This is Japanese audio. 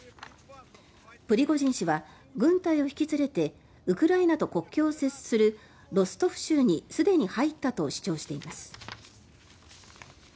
プリゴジン氏は軍隊を引き連れてウクライナと国境を接するロストフ州にすでに入ったと主張しています。